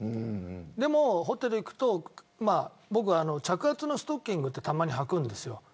でもホテルに行くと僕は着圧のストッキングをたまに、はくんですよ。